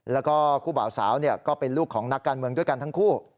แล้วก็คู่บ่าวสาวก็เป็นลูกของนักการเมืองด้วยกันทั้งคู่